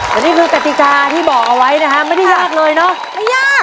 แต่นี่คือกติกาที่บอกเอาไว้นะฮะไม่ได้ยากเลยเนอะไม่ยาก